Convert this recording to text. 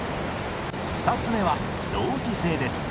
２つ目は同時性です。